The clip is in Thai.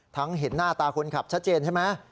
เห็นหน้าตาคนขับชัดเจนใช่ไหม